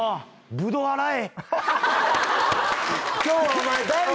ブドウ洗え」